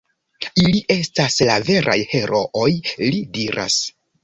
Ili estas la veraj herooj, li diras.